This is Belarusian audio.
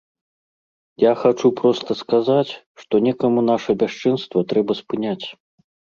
Я хачу проста сказаць, што некаму наша бясчынства трэба спыняць.